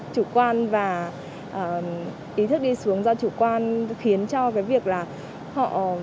chủ quan và ý thức đi xuống do chủ quan khiến cho cái việc là họ